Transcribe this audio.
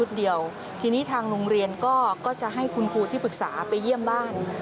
ทีนี้ทางโรงเรียนก็จะให้คุณครูที่ปรึกษาไปเยี่ยมบ้าน